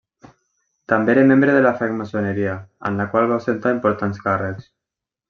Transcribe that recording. També era membre de la francmaçoneria, en la qual va ostentar importants càrrecs.